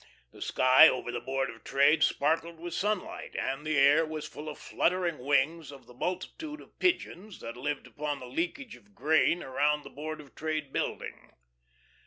The sky over the Board of Trade sparkled with sunlight, and the air was full of fluttering wings of the multitude of pigeons that lived upon the leakage of grain around the Board of Trade building.